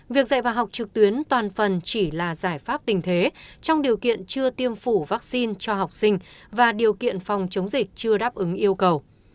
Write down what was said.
việc dạy và học trực tuyến toàn phần chỉ là giải pháp tình thế trong điều kiện chưa tiêm phủ vaccine cho học sinh và điều kiện phòng chống dịch chưa đáp ứng yêu cầu